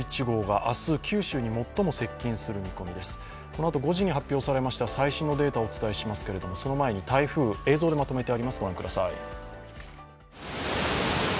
このあと５時に発表されました最新のデータをお伝えしますけれども、その前に台風、映像でまとめてあります、ご覧ください。